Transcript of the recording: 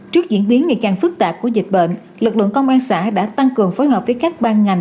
trước diễn biến ngày càng phức tạp của dịch bệnh lực lượng công an xã đã tăng cường phối hợp với các ban ngành